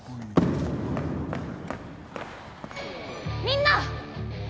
みんな！